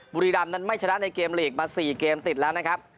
บุรีรำนั้นไม่ชนะในเกมลีกมา๔เกมติดแล้วนะครับ